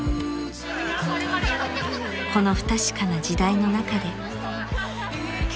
［この不確かな時代の中で］